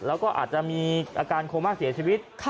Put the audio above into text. แล้วก็อาจจะมีอาการโคม่าเสียชีวิต